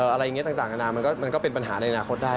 อะไรอย่างนี้ต่างนานามันก็เป็นปัญหาในอนาคตได้